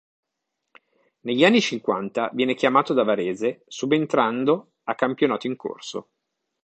Negli anni cinquanta viene chiamato da Varese, subentrando a campionato in corso.